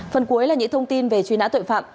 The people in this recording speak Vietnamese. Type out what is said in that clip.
phần cuối là những thông tin về truy nã tội phạm